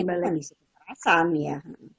di kondisi kekerasan ya